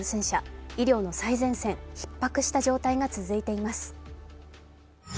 医療の最前線、ひっ迫した状態が続いています。